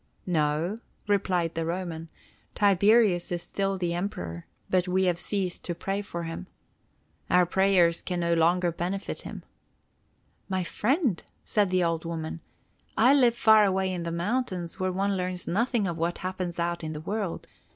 "No," replied the Roman, "Tiberius is still Emperor, but we have ceased to pray for him. Our prayers can no longer benefit him." "My friend," said the old woman, "I live far away among the mountains, where one learns nothing of what happens out in the world.